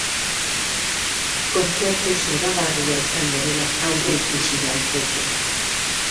Kontzertu zoragarria izango dela aurreikusi daiteke.